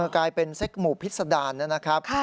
กลายเป็นเซ็กหมู่พิษดารนะครับ